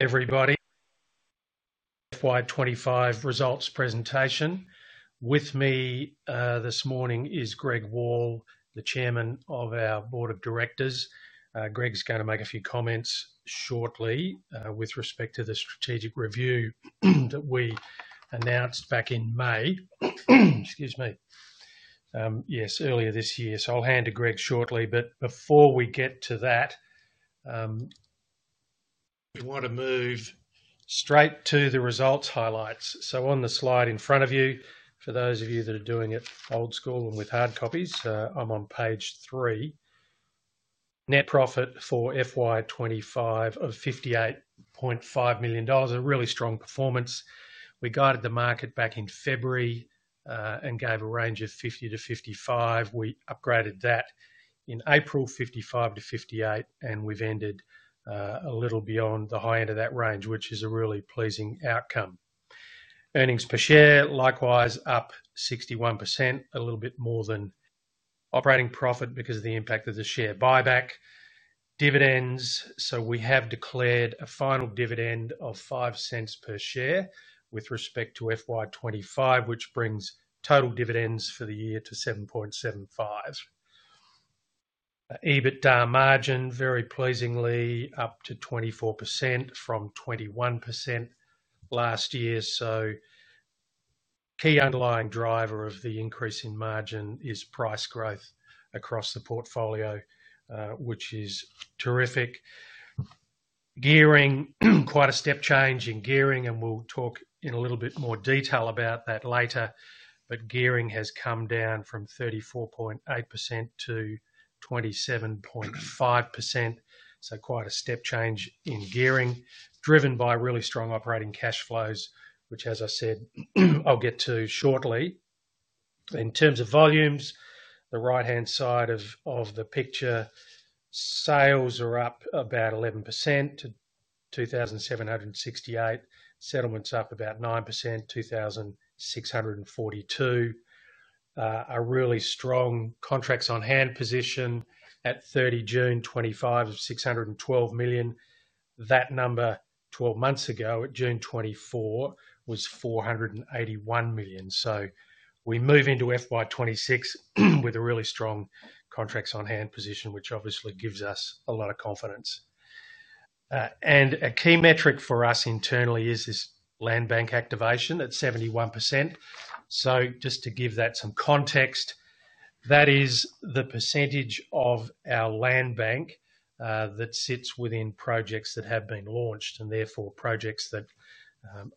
Everybody, FY25 results presentation. With me this morning is Greg Wall, the Chairman of our Board of Directors. Greg's going to make a few comments shortly with respect to the strategic review that we announced back in May. Yes, earlier this year. I'll hand to Greg shortly. Before we get to that, we want to move straight to the results highlights. On the slide in front of you, for those of you that are doing it old school and with hard copies, I'm on page three. Net profit for FY25 of $58.5 million. A really strong performance. We guided the market back in February and gave a range of $50-$55 million. We upgraded that in April, $55-$58 million, and we've ended a little beyond the high end of that range, which is a really pleasing outcome. Earnings per share likewise up 61%, a little bit more than operating profit because of the impact of the share buyback. Dividends, we have declared a final dividend of $0.05 per share with respect to FY25, which brings total dividends for the year to $0.0775. EBITDA margin, very pleasingly up to 24% from 21% last year. The key underlying driver of the increase in margin is price growth across the portfolio, which is terrific. Gearing, quite a step change in gearing, and we'll talk in a little bit more detail about that later. Gearing has come down from 34.8%-27.5%. Quite a step change in gearing, driven by really strong operating cash flows, which, as I said, I'll get to shortly. In terms of volumes, the right-hand side of the picture, sales are up about 11% to 2,768. Settlements up about 9%, 2,642. A really strong contracts on hand position at 30 June 2025 of $612 million. That number 12 months ago at June 2024 was $481 million. We move into FY26 with a really strong contracts on hand position, which obviously gives us a lot of confidence. A key metric for us internally is this land bank activation at 71%. To give that some context, that is the percentage of our land bank that sits within projects that have been launched and therefore projects that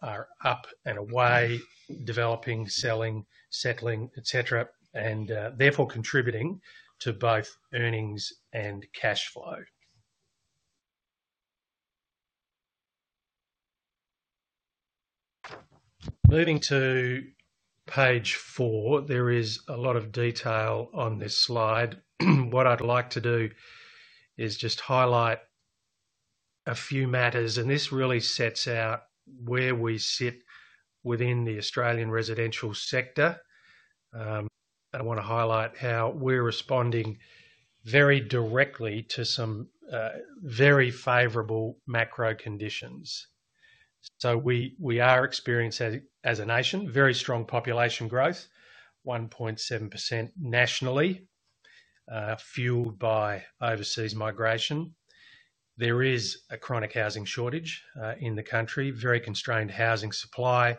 are up and away, developing, selling, settling, et cetera, and therefore contributing to both earnings and cash flow. Moving to page four, there is a lot of detail on this slide. What I'd like to do is just highlight a few matters, and this really sets out where we sit within the Australian residential sector. I want to highlight how we're responding very directly to some very favorable macro conditions. We are experiencing, as a nation, very strong population growth, 1.7% nationally, fueled by overseas migration. There is a chronic housing shortage in the country, very constrained housing supply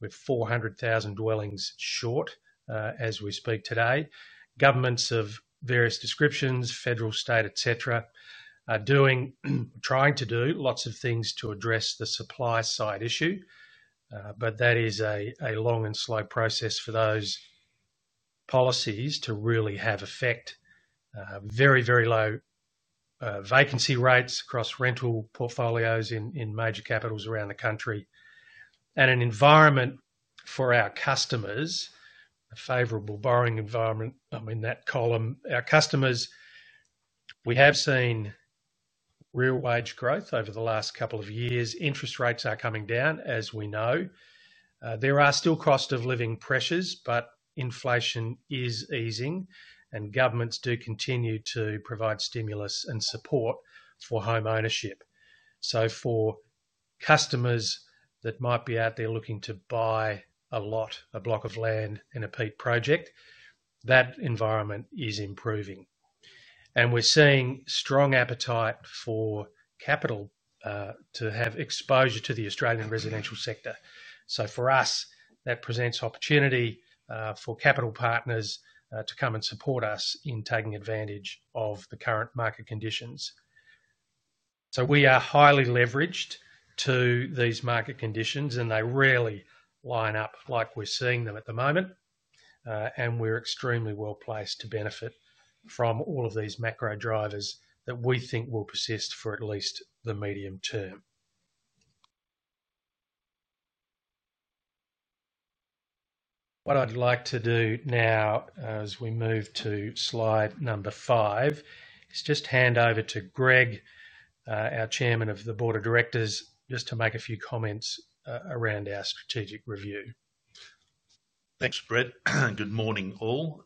with 400,000 dwellings short, as we speak today. Governments of various descriptions, federal, state, et cetera, are trying to do lots of things to address the supply side issue, but that is a long and slow process for those policies to really have effect. Very, very low vacancy rates across rental portfolios in major capitals around the country. An environment for our customers, a favorable borrowing environment. I mean, our customers, we have seen real wage growth over the last couple of years. Interest rates are coming down, as we know. There are still cost of living pressures, but inflation is easing, and governments do continue to provide stimulus and support for home ownership. For customers that might be out there looking to buy a lot, a block of land in a Peet project, that environment is improving. We're seeing strong appetite for capital to have exposure to the Australian residential sector. For us, that presents opportunity for capital partners to come and support us in taking advantage of the current market conditions. We are highly leveraged to these market conditions, and they rarely line up like we're seeing them at the moment. We're extremely well placed to benefit from all of these macro drivers that we think will persist for at least the medium term. What I'd like to do now, as we move to slide number five, is just hand over to Greg, our Chairman of the Board of Directors, to make a few comments around our strategic review. Thanks, Brett. Good morning all.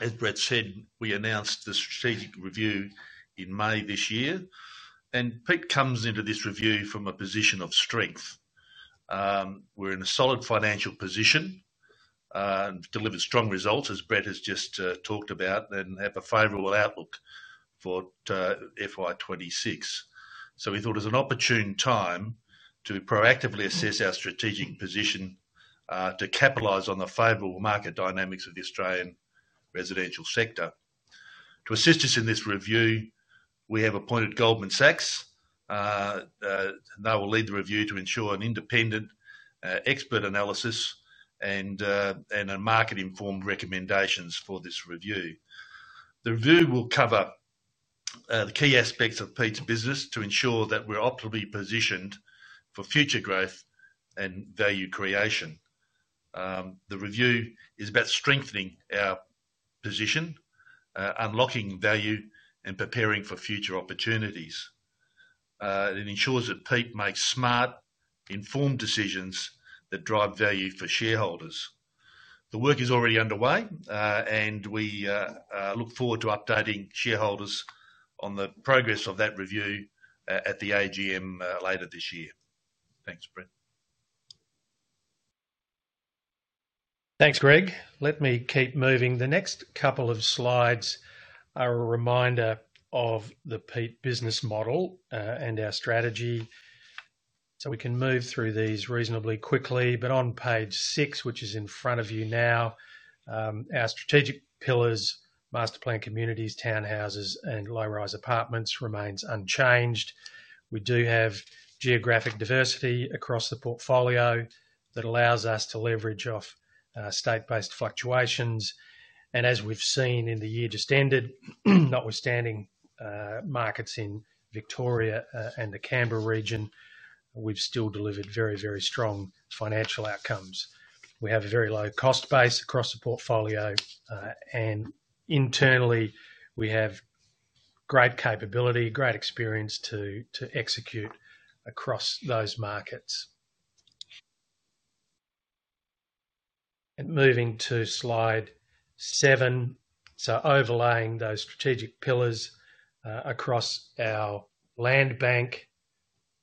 As Brett said, we announced the strategic review in May this year. Peet comes into this review from a position of strength. We're in a solid financial position and delivered strong results, as Brett has just talked about, and have a favorable outlook for FY26. We thought it was an opportune time to proactively assess our strategic position to capitalize on the favorable market dynamics of the Australian residential sector. To assist us in this review, we have appointed Goldman Sachs, and they will lead the review to ensure an independent, expert analysis and a market-informed recommendation for this review. The review will cover the key aspects of Peet's business to ensure that we're optimally positioned for future growth and value creation. The review is about strengthening our position, unlocking value, and preparing for future opportunities. It ensures that Peet makes smart, informed decisions that drive value for shareholders. The work is already underway, and we look forward to updating shareholders on the progress of that review at the AGM later this year. Thanks, Brett. Thanks, Greg. Let me keep moving. The next couple of slides are a reminder of the Peet business model and our strategy. We can move through these reasonably quickly. On page six, which is in front of you now, our strategic pillars—masterplanned communities, townhouses, and low-rise apartments—remain unchanged. We do have geographic diversity across the portfolio that allows us to leverage off state-based fluctuations. As we've seen in the year just ended, notwithstanding markets in Victoria and the Canberra region, we've still delivered very, very strong financial outcomes. We have a very low cost base across the portfolio, and internally, we have great capability, great experience to execute across those markets. Moving to slide seven, overlaying those strategic pillars across our land bank,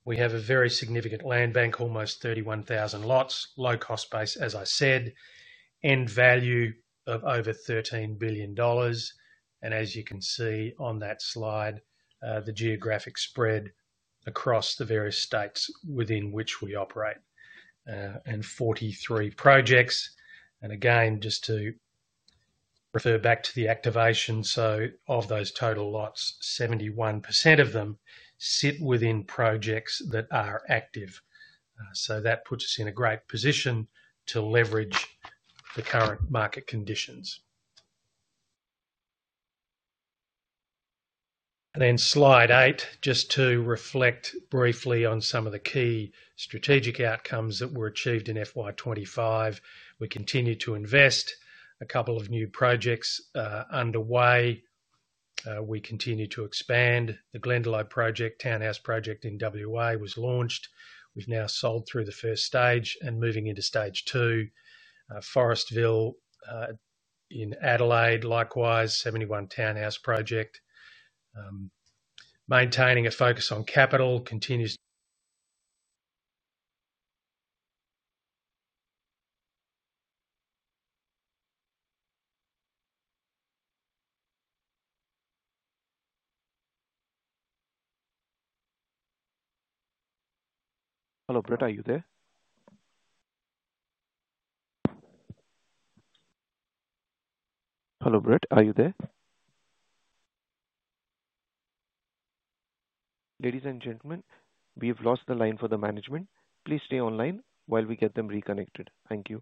we have a very significant land bank, almost 31,000 lots, low cost base, as I said, end value of over $13 billion. As you can see on that slide, the geographic spread across the various states within which we operate, and 43 projects. Just to refer back to the activation, of those total lots, 71% of them sit within projects that are active. That puts us in a great position to leverage the current market conditions. Slide eight, just to reflect briefly on some of the key strategic outcomes that were achieved in FY25. We continue to invest. A couple of new projects underway. We continue to expand. The Glendalough townhouse project in WA was launched. We've now sold through the first stage and moving into stage two. Forestville in Adelaide likewise, 71 townhouse project. Maintaining a focus on capital continues [audio distotion]. Hello, Brett, are you there? Hello, Brett, are you there? Ladies and gentlemen, we have lost the line for the management. Please stay online while we get them reconnected. Thank you.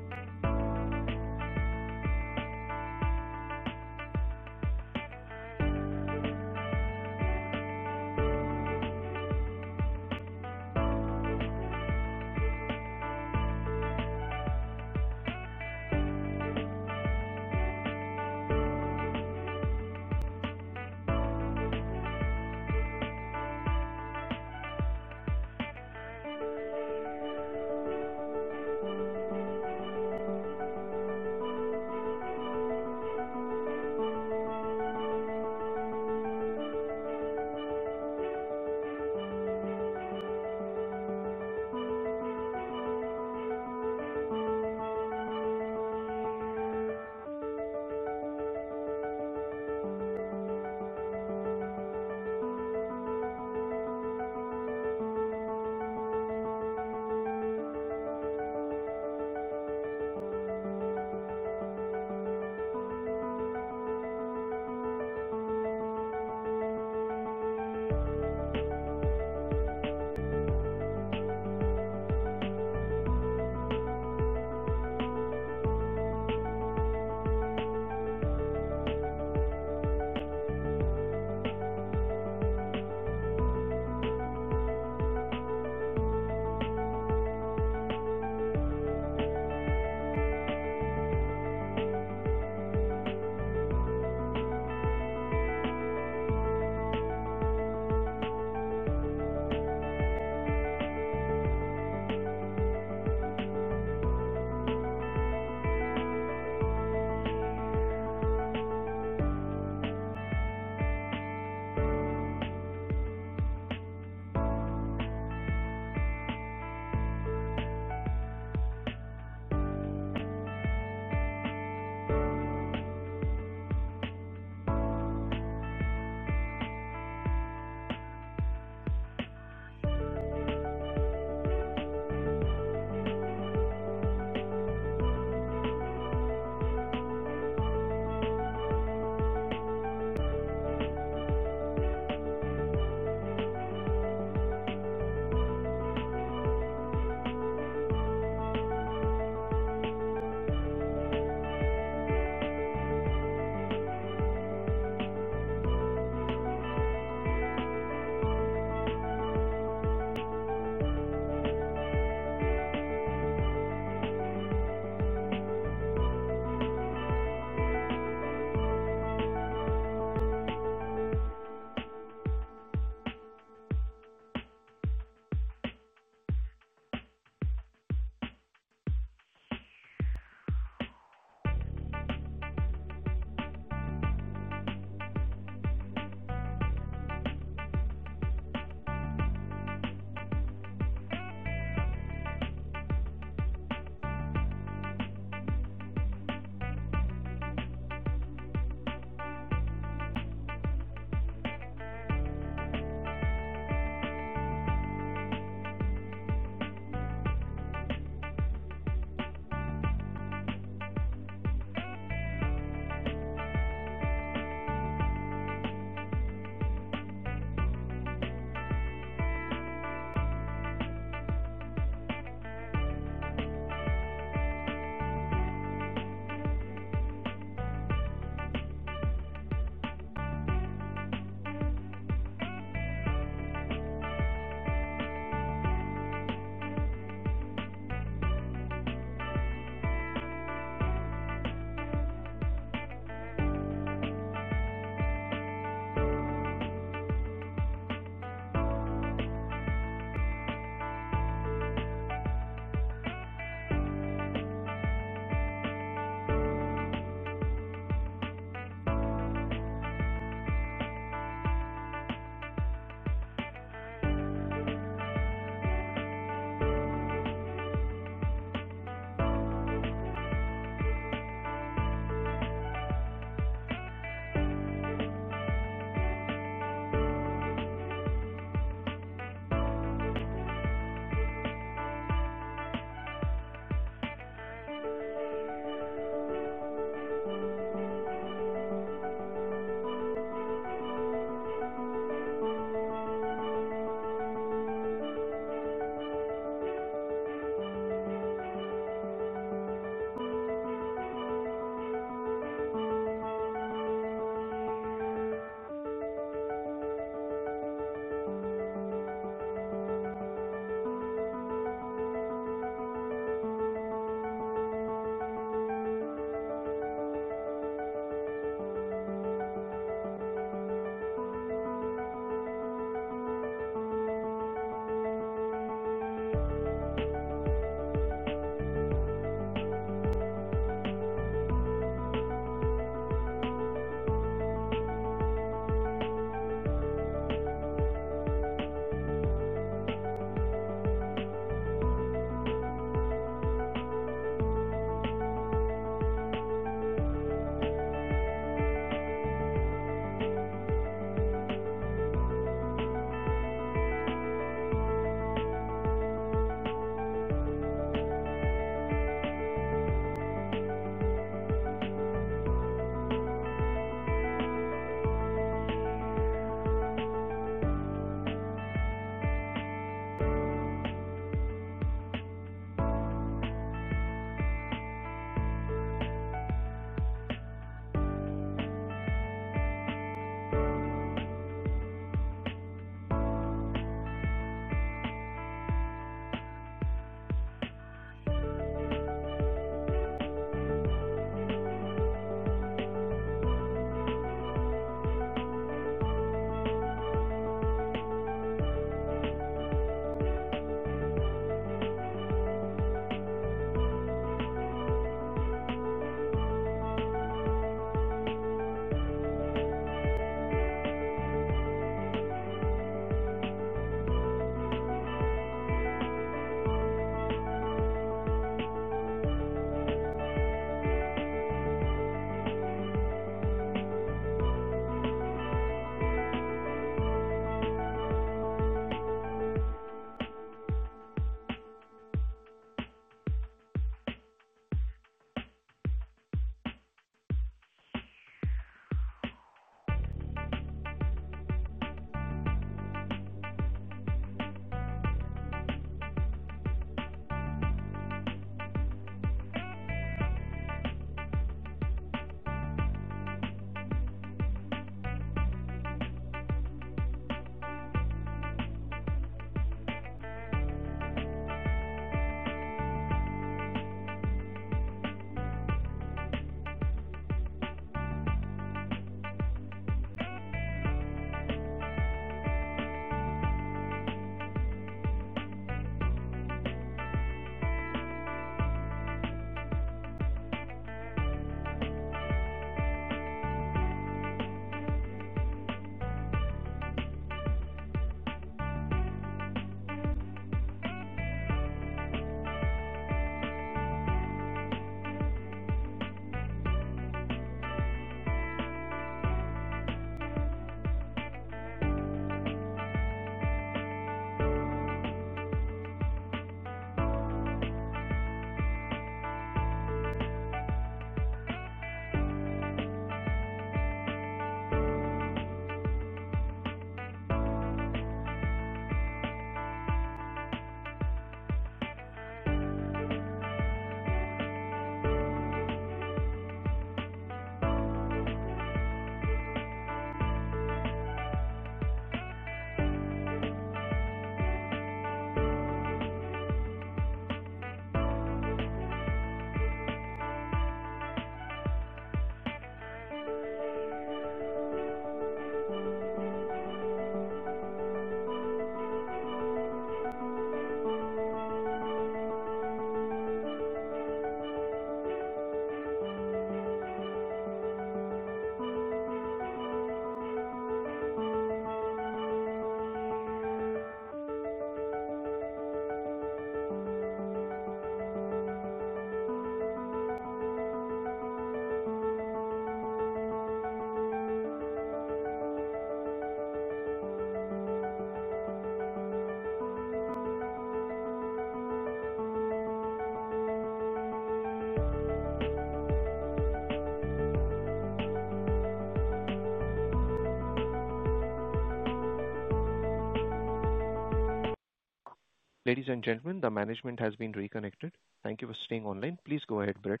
Ladies and gentlemen, the management has been reconnected. Thank you for staying online. Please go ahead, Brett.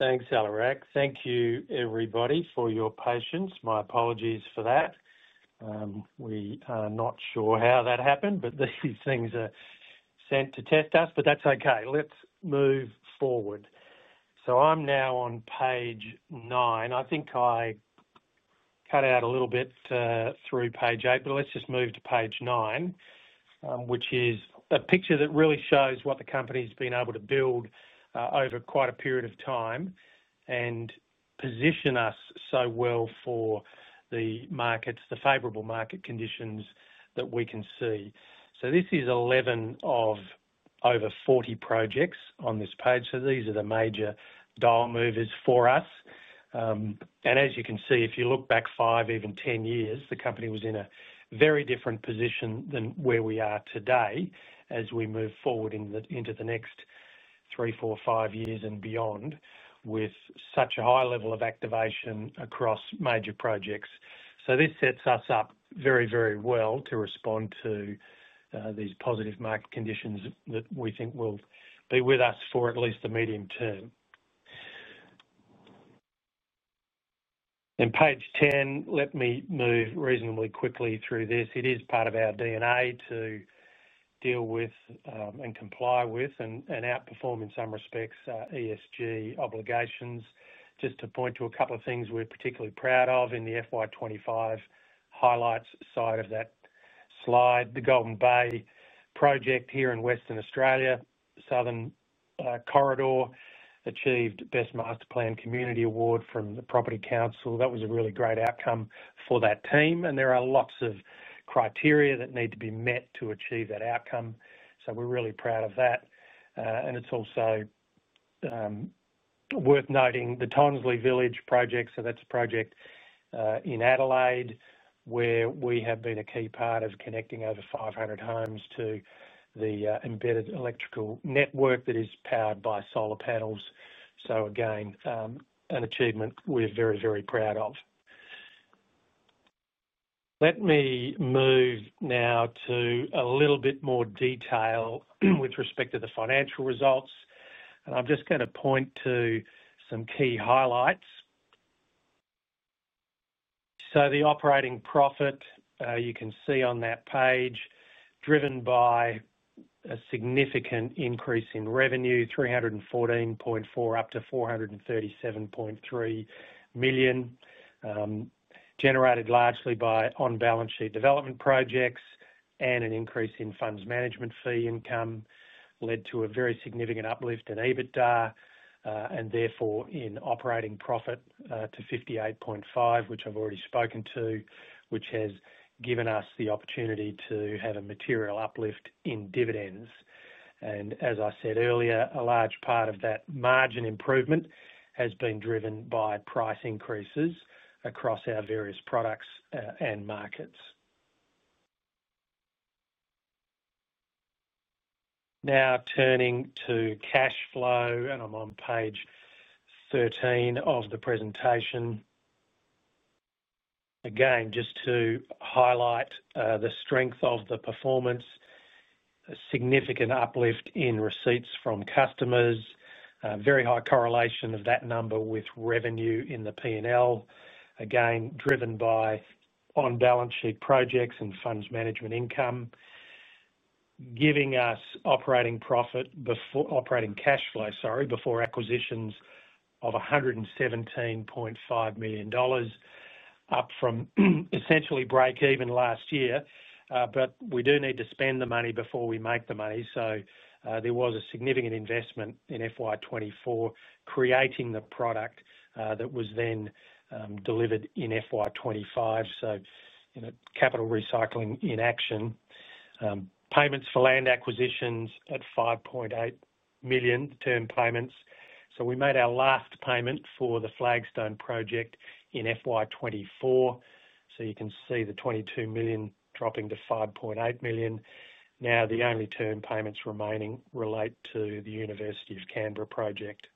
Thanks, Alarak. Thank you, everybody, for your patience. My apologies for that. We are not sure how that happened, but these things are sent to test us. That's OK. Let's move forward. I'm now on page nine. I think I cut out a little bit through page eight, but let's just move to page nine, which is a picture that really shows what the company's been able to build over quite a period of time and position us so well for the markets, the favorable market conditions that we can see. This is 11 of over 40 projects on this page. These are the major dollar movers for us. As you can see, if you look back five, even 10 years, the company was in a very different position than where we are today as we move forward into the next three, four, five years and beyond with such a high level of activation across major projects. This sets us up very, very well to respond to these positive market conditions that we think will be with us for at least the medium term. Page 10, let me move reasonably quickly through this. It is part of our DNA to deal with, and comply with, and outperform in some respects, ESG obligations. Just to point to a couple of things we're particularly proud of in the FY25 highlights side of that slide, the Golden Bay project here in Western Australia, Southern Corridor, achieved Best Master Plan Community Award from the Property Council. That was a really great outcome for that team. There are lots of criteria that need to be met to achieve that outcome. We're really proud of that. It's also worth noting the Tonsley Village project. That's a project in Adelaide where we have been a key part of connecting over 500 homes to the embedded electrical network that is powered by solar panels. Again, an achievement we're very, very proud of. Let me move now to a little bit more detail with respect to the financial results. I'm just going to point to some key highlights. The operating profit, you can see on that page, driven by a significant increase in revenue, $314.4-$437.3 million, generated largely by on-balance sheet development projects and an increase in funds management fee income, led to a very significant uplift in EBITDA, and therefore in operating profit, to $58.5 million, which I've already spoken to, which has given us the opportunity to have a material uplift in dividends. As I said earlier, a large part of that margin improvement has been driven by price increases across our various products and markets. Now turning to cash flow, and I'm on page 13 of the presentation. Again, just to highlight the strength of the performance, a significant uplift in receipts from customers, a very high correlation of that number with revenue in the P&L, again driven by on-balance sheet projects and funds management income, giving us operating profit before operating cash flow, sorry, before acquisitions of $117.5 million, up from essentially break-even last year. We do need to spend the money before we make the money. There was a significant investment in FY24 creating the product that was then delivered in FY25. You know, capital recycling in action. Payments for land acquisitions at $5.8 million, the term payments. We made our last payment for the Flagstone project in FY24. You can see the $22 million dropping to $5.8 million. Now the only term payments remaining relate to the University of Canberra project.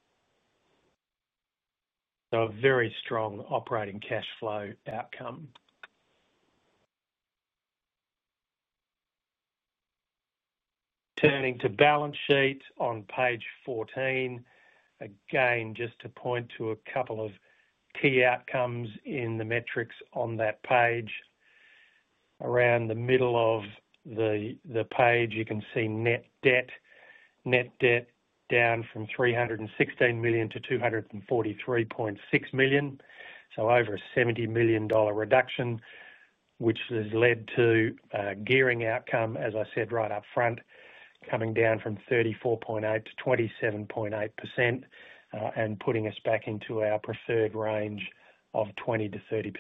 A very strong operating cash flow outcome. Turning to balance sheet on page 14, just to point to a couple of key outcomes in the metrics on that page. Around the middle of the page, you can see net debt, net debt down from $316 million to $243.6 million. Over a $70 million reduction, which has led to a gearing outcome, as I said right up front, coming down from 34.8%-27.8%, and putting us back into our preferred range of 20%-30%.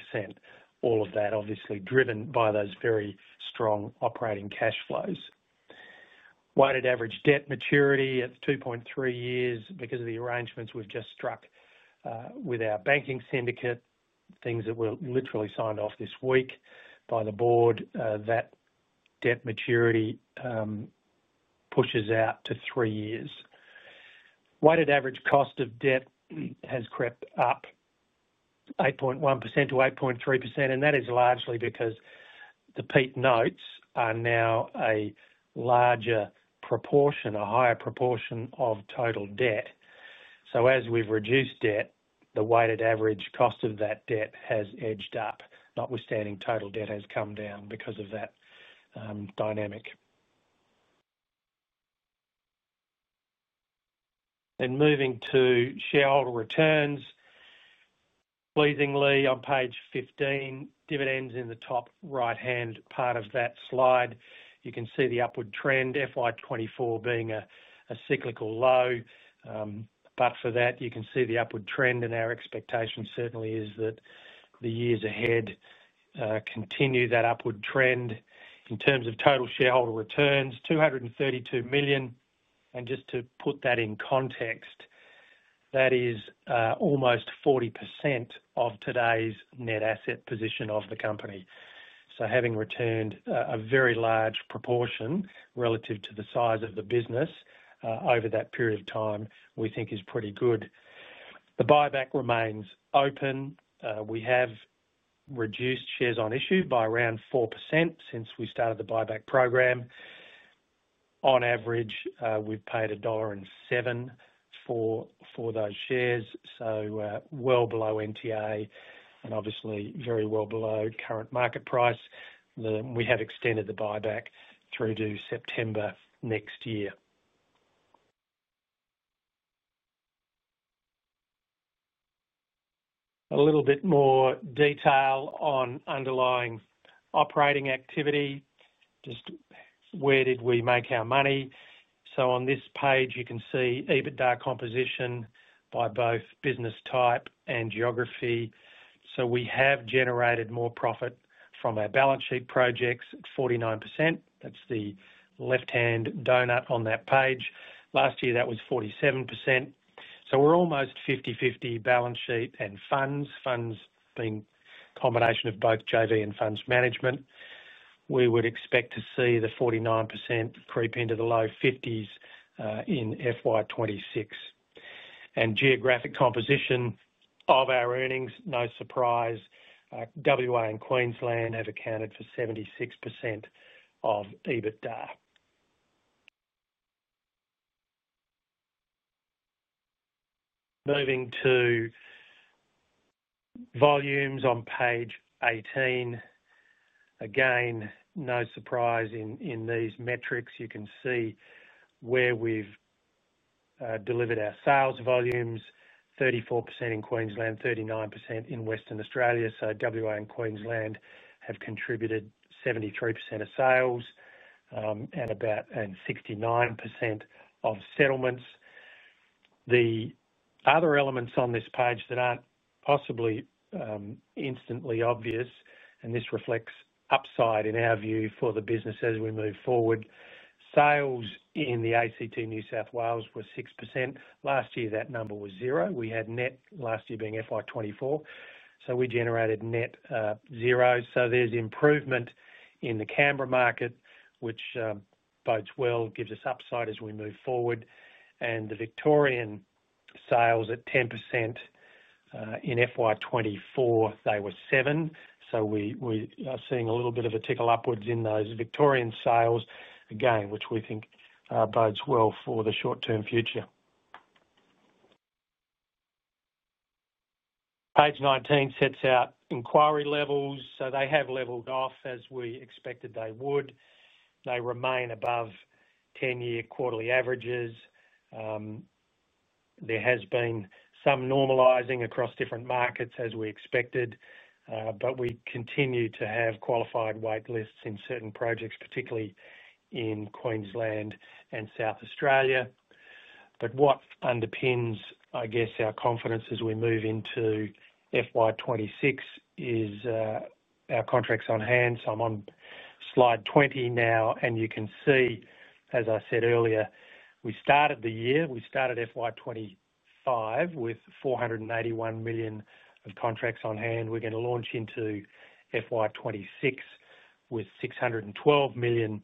All of that, obviously, driven by those very strong operating cash flows. Weighted average debt maturity at 2.3 years because of the arrangements we've just struck with our banking syndicate, things that were literally signed off this week by the board. That debt maturity pushes out to three years. Weighted average cost of debt has crept up 8.1%-8.3%, and that is largely because the Peet notes are now a larger proportion, a higher proportion of total debt. As we've reduced debt, the weighted average cost of that debt has edged up, notwithstanding total debt has come down because of that dynamic. Moving to shareholder returns, pleasingly, on page 15, dividends in the top right-hand part of that slide, you can see the upward trend, FY24 being a cyclical low. For that, you can see the upward trend, and our expectation certainly is that the years ahead continue that upward trend. In terms of total shareholder returns, $232 million. Just to put that in context, that is almost 40% of today's net asset position of the company. Having returned a very large proportion relative to the size of the business over that period of time, we think is pretty good. The buyback remains open. We have reduced shares on issue by around 4% since we started the buyback program. On average, we've paid $1.07 for those shares, so well below NTI and obviously very well below current market price. We have extended the buyback through to September next year. A little bit more detail on underlying operating activity. Where did we make our money? On this page, you can see EBITDA composition by both business type and geography. We have generated more profit from our balance sheet projects at 49%. That's the left-hand doughnut on that page. Last year, that was 47%. We're almost 50/50 balance sheet and funds being a combination of both JV and funds management. We would expect to see the 49% creep into the low 50s in FY26. Geographic composition of our earnings, no surprise, WA and Queensland have accounted for 76% of EBITDA. Moving to volumes on page 18, again, no surprise in these metrics. You can see where we've delivered our sales volumes, 34% in Queensland, 39% in Western Australia. WA and Queensland have contributed 73% of sales, and about 69% of settlements. The other elements on this page that aren't possibly instantly obvious, and this reflects upside in our view for the business as we move forward. Sales in the ACT New South Wales were 6%. Last year, that number was zero. Last year being FY24, so we generated net zero. There's improvement in the Canberra market, which bodes well, gives us upside as we move forward. The Victorian sales at 10%, in FY24, they were 7%. We are seeing a little bit of a tickle upwards in those Victorian sales, again, which we think bodes well for the short-term future. Page 19 sets out inquiry levels. They have levelled off as we expected they would. They remain above 10-year quarterly averages. There has been some normalizing across different markets as we expected, but we continue to have qualified waitlists in certain projects, particularly in Queensland and South Australia. What underpins our confidence as we move into FY26 is our contracts on hand. I'm on slide 20 now, and you can see, as I said earlier, we started the year, we started FY25 with $481 million of contracts on hand. We're going to launch into FY26 with $612 million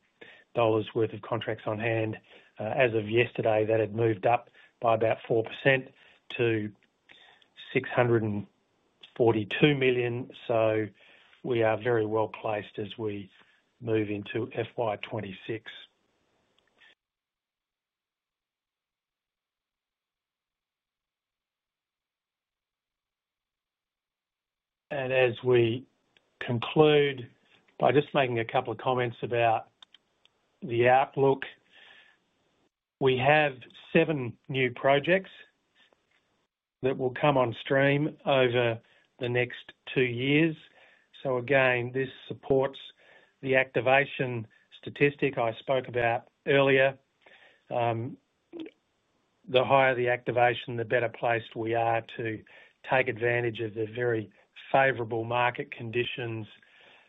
worth of contracts on hand. As of yesterday, that had moved up by about 4% to $642 million. We are very well placed as we move into FY26. As we conclude by just making a couple of comments about the outlook, we have seven new projects that will come on stream over the next two years. This supports the activation statistic I spoke about earlier. The higher the activation, the better placed we are to take advantage of the very favorable market conditions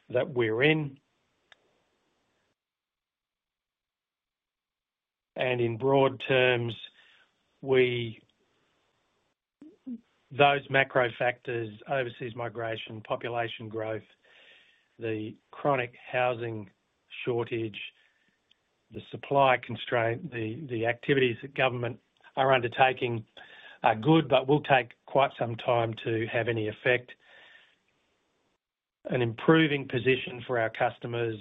that we're in. In broad terms, those macro factors: overseas migration, population growth, the chronic housing shortage, the supply constraint, the activities that government are undertaking are good, but will take quite some time to have any effect. An improving position for our customers,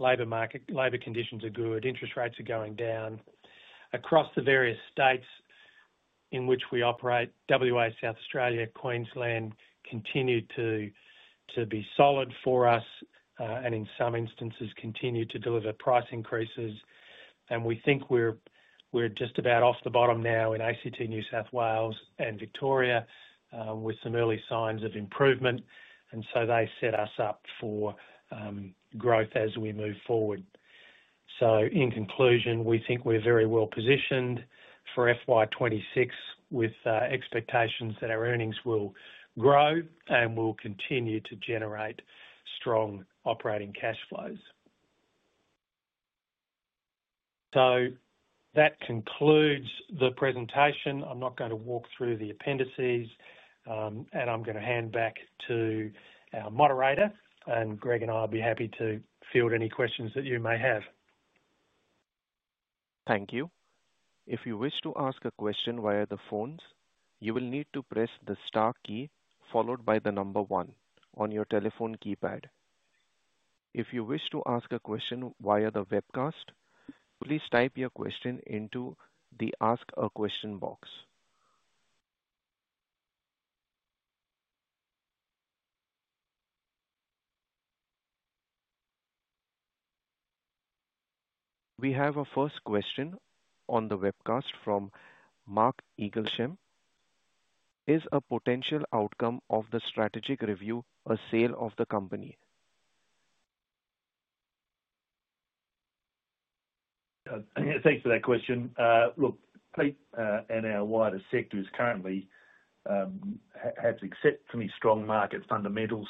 labor market, labor conditions are good. Interest rates are going down. Across the various states in which we operate, Western Australia, South Australia, Queensland continue to be solid for us, and in some instances continue to deliver price increases. We think we're just about off the bottom now in ACT, New South Wales, and Victoria, with some early signs of improvement. They set us up for growth as we move forward. In conclusion, we think we're very well positioned for FY26 with expectations that our earnings will grow and will continue to generate strong operating cash flows. That concludes the presentation. I'm not going to walk through the appendices, and I'm going to hand back to our moderator, and Greg and I will be happy to field any questions that you may have. Thank you. If you wish to ask a question via the phones, you will need to press the star key followed by the number one on your telephone keypad. If you wish to ask a question via the webcast, please type your question into the Ask a Question box. We have a first question on the webcast from Mark Eaglesham. Is a potential outcome of the strategic review a sale of the company? Thanks for that question. Look, Peet and our wider sector currently has exceptionally strong market fundamentals.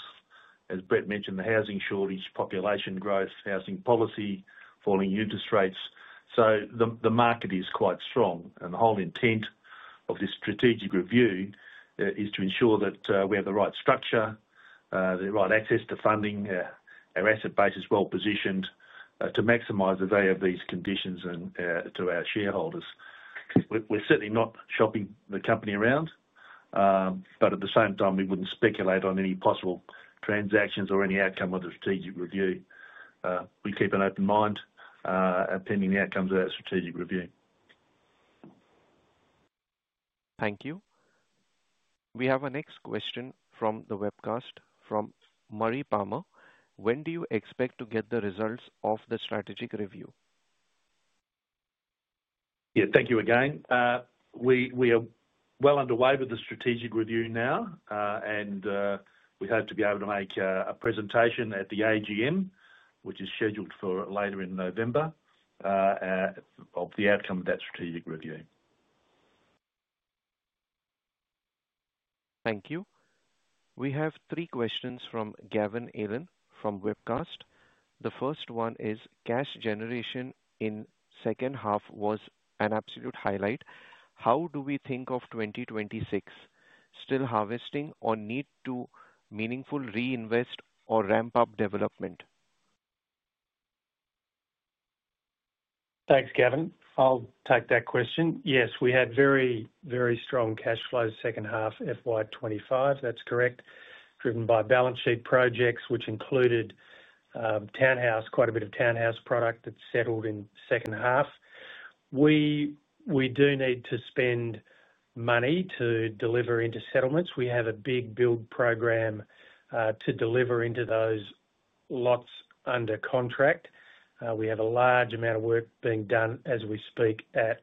As Brett mentioned, the housing shortage, population growth, housing policy, falling interest rates. The market is quite strong. The whole intent of this strategic review is to ensure that we have the right structure, the right access to funding, our asset base is well positioned to maximize the value of these conditions and to our shareholders. We're certainly not shopping the company around, but at the same time, we wouldn't speculate on any possible transactions or any outcome of the strategic review. We keep an open mind, and pending the outcomes of that strategic review. Thank you. We have a next question from the webcast from Murray Palmer. When do you expect to get the results of the strategic review? Thank you again. We are well underway with the strategic review now, and we hope to be able to make a presentation at the AGM, which is scheduled for later in November, of the outcome of that strategic review. Thank you. We have three questions from Gavin Allen from webcast. The first one is, cash generation in second half was an absolute highlight. How do we think of 2026? Still harvesting or need to meaningfully reinvest or ramp up development? Thanks, Gavin. I'll take that question. Yes, we had very, very strong cash flows second half FY25. That's correct. Driven by balance sheet projects, which included quite a bit of medium density townhouse product that settled in second half. We do need to spend money to deliver into settlements. We have a big build program to deliver into those residential lots under contract. We have a large amount of work being done as we speak at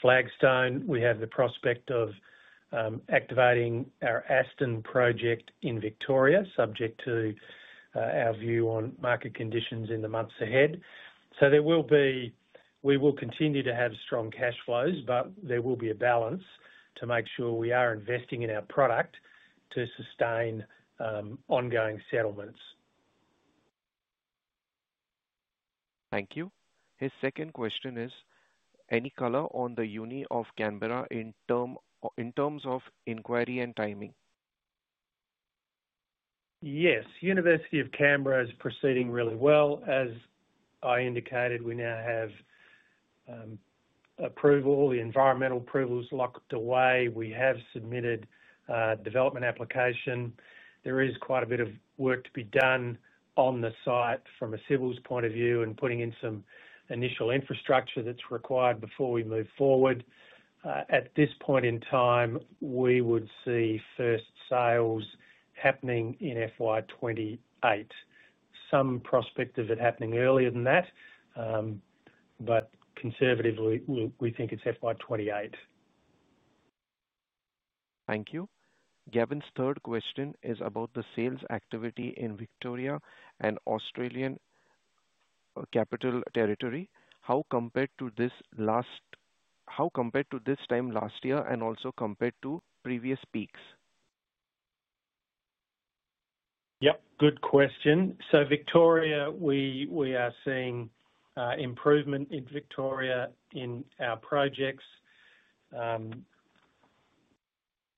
Flagstone. We have the prospect of activating our Aston project in Victoria, subject to our view on market conditions in the months ahead. There will be, we will continue to have strong cash flows, but there will be a balance to make sure we are investing in our product to sustain ongoing settlements. Thank you. His second question is, any color on the University of Canberra in terms of inquiry and timing? Yes, University of Canberra is proceeding really well. As I indicated, we now have approval, the environmental approvals locked away. We have submitted a development application. There is quite a bit of work to be done on the site from a civils point of view and putting in some initial infrastructure that's required before we move forward. At this point in time, we would see first sales happening in FY28. Some prospect of it happening earlier than that, but conservatively, we think it's FY28. Thank you. Gavin's third question is about the sales activity in Victoria and Australian capital territory. How compared to this time last year and also compared to previous peaks? Yep, good question. Victoria, we are seeing improvement in Victoria in our projects.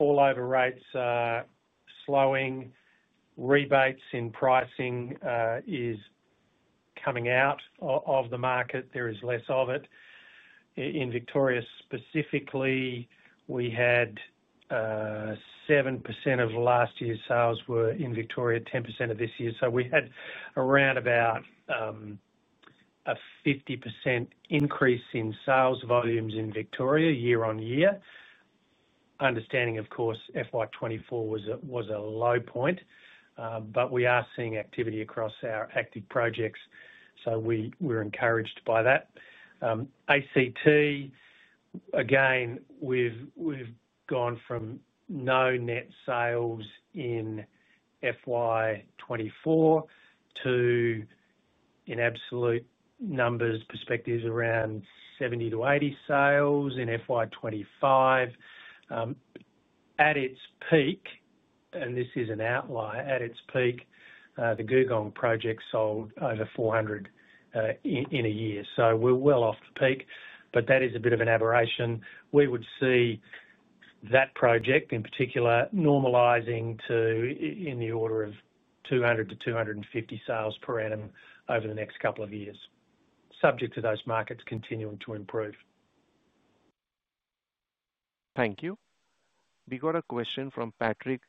Overall rates are slowing. Rebates in pricing is coming out of the market. There is less of it. In Victoria specifically, we had 7% of last year's sales in Victoria, 10% this year. We had around a 50% increase in sales volumes in Victoria year on year, understanding, of course, FY24 was a low point. We are seeing activity across our active projects, so we're encouraged by that. ACT, again, we've gone from no net sales in FY24 to, in absolute numbers, perspectives around 70-80 sales in FY2025. At its peak, and this is an outlier, at its peak, the Googong project sold over 400 in a year. We're well off the peak, but that is a bit of an aberration. We would see that project in particular normalizing to in the order of 200-250 sales per annum over the next couple of years, subject to those markets continuing to improve. Thank you. We got a question from Patrick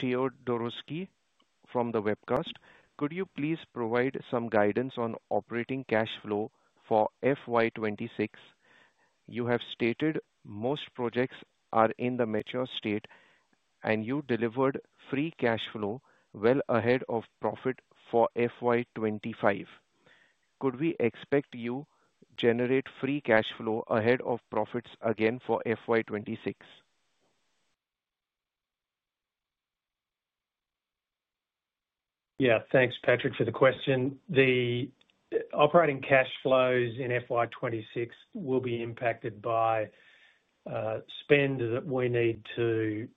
Teodoroski from the webcast. Could you please provide some guidance on operating cash flow for FY26? You have stated most projects are in the mature state, and you delivered free cash flow well ahead of profit for FY25. Could we expect you to generate free cash flow ahead of profits again for FY26? Yeah, thanks, Patrick, for the question. The operating cash flows in FY26 will be impacted by spend that we need to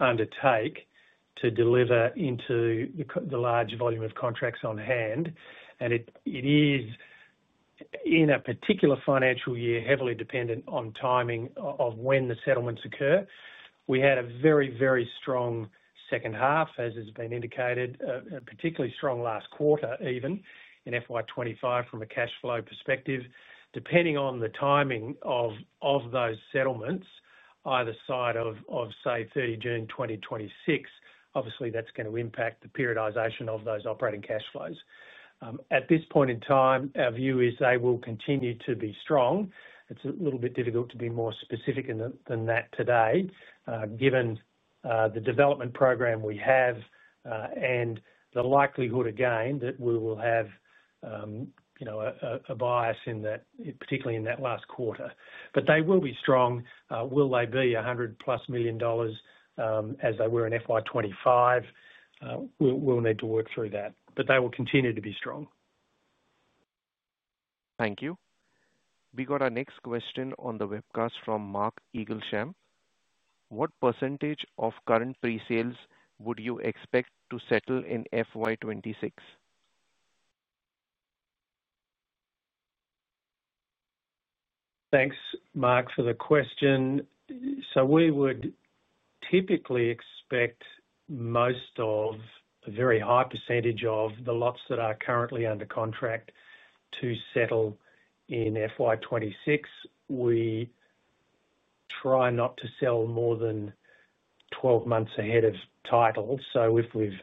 undertake to deliver into the large volume of contracts on hand. It is, in a particular financial year, heavily dependent on timing of when the settlements occur. We had a very, very strong second half, as has been indicated, a particularly strong last quarter even in FY25 from a cash flow perspective. Depending on the timing of those settlements, either side of, say, June 30, 2026, obviously that's going to impact the periodisation of those operating cash flows. At this point in time, our view is they will continue to be strong. It's a little bit difficult to be more specific than that today, given the development program we have, and the likelihood again that we will have, you know, a bias in that, particularly in that last quarter. They will be strong. Will they be $100+ million, as they were in FY25? We'll need to work through that. They will continue to be strong. Thank you. We got our next question on the webcast from Mark Eaglesham. What % of current pre-sales would you expect to settle in FY26? Thanks, Mark, for the question. We would typically expect most of a very high % of the lots that are currently under contract to settle in FY26. We try not to sell more than 12 months ahead of title. If we've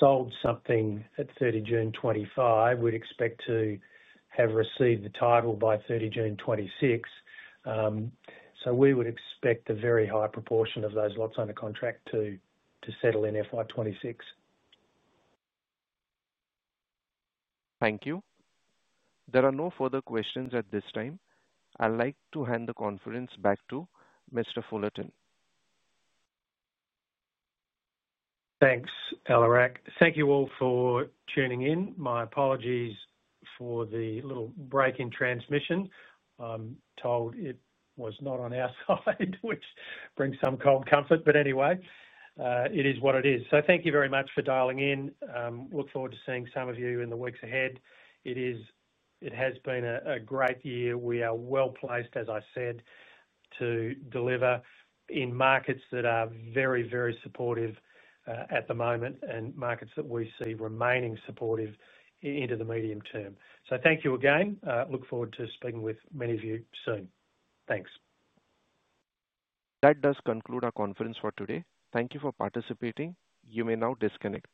sold something at 30 June 2025, we'd expect to have received the title by 30 June 2026. We would expect a very high proportion of those lots under contract to settle in FY26. Thank you. There are no further questions at this time. I'd like to hand the conference back to Mr. Fullarton. Thanks, Alarak. Thank you all for tuning in. My apologies for the little break in transmission. I'm told it was not on our side, which brings some cold comfort. Anyway, it is what it is. Thank you very much for dialing in. I look forward to seeing some of you in the weeks ahead. It has been a great year. We are well placed, as I said, to deliver in markets that are very, very supportive at the moment and markets that we see remaining supportive into the medium term. Thank you again. I look forward to speaking with many of you soon. Thanks. That does conclude our conference for today. Thank you for participating. You may now disconnect.